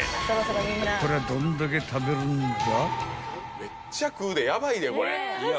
［こりゃどんだけ食べるんだ？］